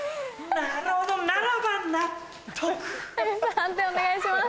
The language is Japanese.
判定お願いします。